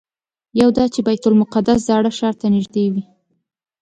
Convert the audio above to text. یو دا چې بیت المقدس زاړه ښار ته نږدې وي.